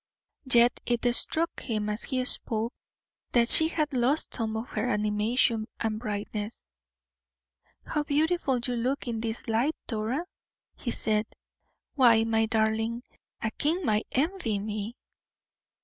Yet it struck him as he spoke, that she had lost some of her animation and brightness. "How beautiful you look in this light, Dora," he said. "Why, my darling, a king might envy me."